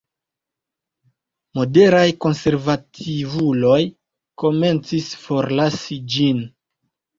Moderaj konservativuloj komencis forlasi ĝin.